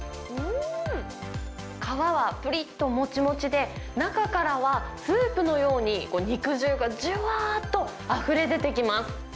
皮はぷりっともちもちで、中からはスープのように肉汁がじゅわーっとあふれ出てきます。